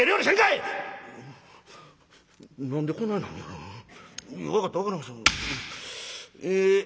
いや分かった分かりました。え」。